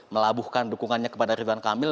melabuhkan dukungannya kepada ridwan kamil